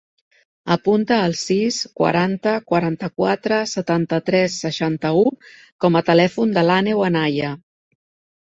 Apunta el sis, quaranta, quaranta-quatre, setanta-tres, seixanta-u com a telèfon de l'Àneu Anaya.